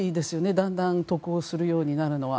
だんだん得をするようになるのは。